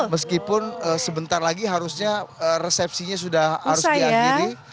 meskipun sebentar lagi harusnya resepsinya sudah harus diakhiri